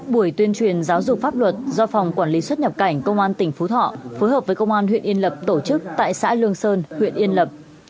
buổi tuyên truyền giáo dục pháp luật do phòng quản lý xuất nhập cảnh công an tỉnh phú thọ phối hợp với công an huyện yên lập tổ chức tại xã lương sơn huyện yên lập